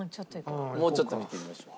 もうちょっと見てみましょう。